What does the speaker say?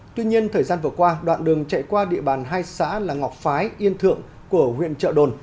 tuy nhiên thời gian vừa qua đoạn đường chạy qua địa bàn hai xã là ngọc phái yên thượng của huyện trợ đồn